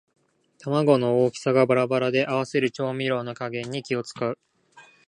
玉子の大きさがバラバラで合わせる調味料の加減に気をつかう